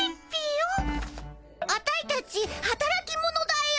アタイたちはたらき者だよ。